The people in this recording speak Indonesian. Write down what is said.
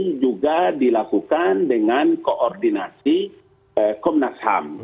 ini juga dilakukan dengan koordinasi komnas ham